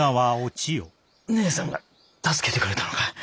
ねえさんが助けてくれたのかい？